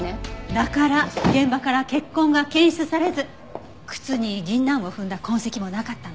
だから現場から血痕が検出されず靴に銀杏を踏んだ痕跡もなかったんだわ。